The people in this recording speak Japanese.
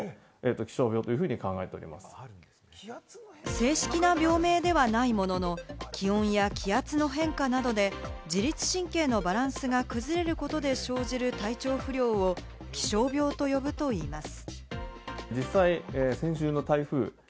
正式な病名ではないものの、気温や気圧の変化などで、自律神経のバランスが崩れることで生じる体調不良を気象病と呼ぶといいます。